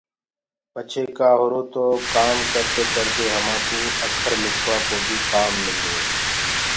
پڇي ڪآ هُرو تو ڪآم ڪردي ڪردي همانٚ ڪُو اکر لِکوآ ڪو بيِ ڪآم ملرو۔